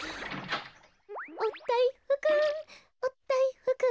おだいふくおだいふく。